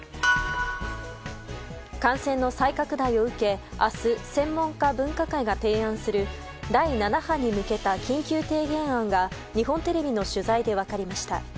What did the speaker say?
感染の再拡大を受け明日、専門家分科会が提案する第７波に向けた緊急提言案が日本テレビの取材で分かりました。